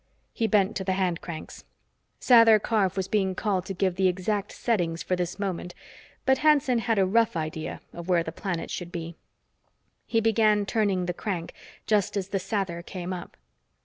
He bent to the hand cranks. Sather Karf was being called to give the exact settings for this moment, but Hanson had a rough idea of where the planets should be. He began turning the crank, just as the Sather came up.